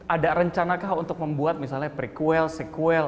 ada rencana kah untuk membuat misalnya prequel sequel